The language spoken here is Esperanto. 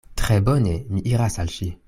Tre bone, mi iras al ŝi.